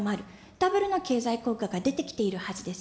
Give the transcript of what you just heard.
ダブルの経済効果が出てきているはずです。